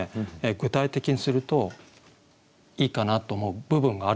具体的にするといいかなと思う部分があるんですよ。